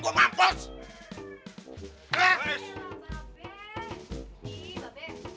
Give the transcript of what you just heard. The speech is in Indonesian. kalau ini babeh